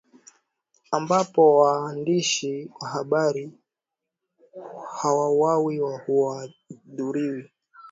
ambapo waandishi wa habari hawauwawi hawadhuriwi